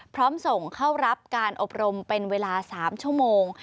พร้อมส่งเข้ารับการอบรมเป็นเวลา๓ชั่วโมง